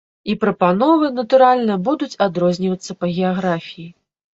І прапановы, натуральна, будуць адрознівацца па геаграфіі.